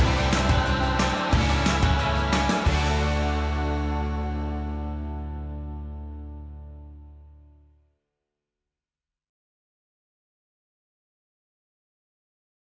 ก็จะต่อยไปเรื่อย